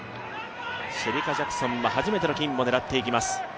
シェリカ・ジャクソンは初めての金も狙っていきます。